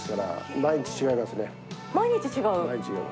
毎日違う。